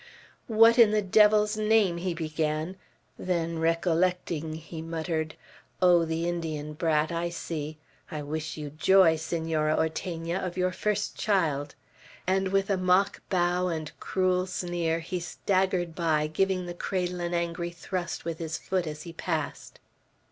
"What in the devil's name," he began; then recollecting, he muttered: "Oh, the Indian brat! I see! I wish you joy, Senora Ortegna, of your first child!" and with a mock bow, and cruel sneer, he staggered by, giving the cradle an angry thrust with his foot as he passed.